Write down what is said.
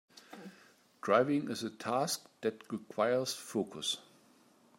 Driving is a task that requires focus.